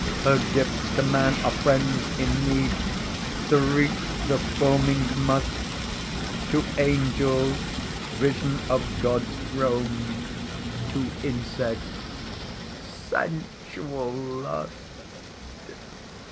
Her gifts to man are friends in need, The wreath, the foaming must, To angels—vision of God's throne, To insects—sensual lust.